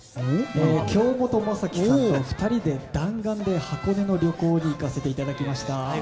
京本政樹さんと２人で弾丸で箱根旅行に行かせていただきました。